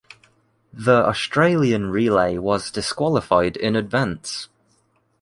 The Australian relay was disqualified in advance.